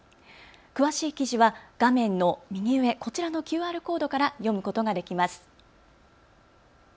詳しい記事は画面の右上、こちらのＱＲコードから読むことができます。